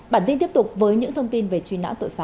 bản tin tiếp tục với những thông tin về truy nã tội phạm